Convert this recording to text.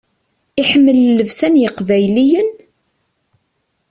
Iḥemmel llebsa n yeqbayliyen?